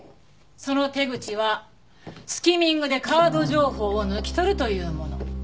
その手口はスキミングでカード情報を抜き取るというもの。